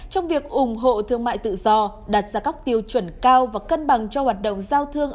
trong việc ủng hộ thương mại tự do đặt ra các tiêu chuẩn cao và cân bằng cho hoạt động giao thương